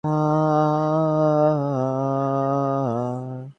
তিনি শিখদের একটি নিয়মিত সরকার ব্যবস্থার সঙ্গে পরিচিত করে তোলেন।